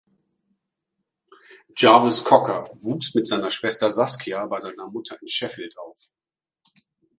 Jarvis Cocker wuchs mit seiner Schwester Saskia bei seiner Mutter in Sheffield auf.